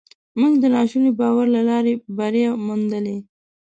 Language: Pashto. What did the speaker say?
موږ د ناشوني باور له لارې بری موندلی.